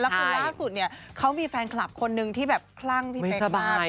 คือล่าสุดเนี่ยเขามีแฟนคลับคนนึงที่แบบคลั่งพี่เป๊กมาก